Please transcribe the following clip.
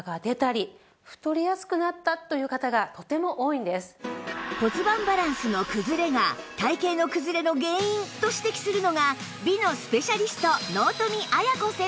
そんな骨盤バランスの崩れが体形の崩れの原因と指摘するのが美のスペシャリスト